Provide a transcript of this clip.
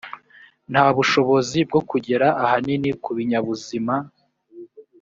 nta bushobozi bwo kugera ahanini ku binyabuzima